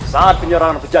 saat penyerangan pejajar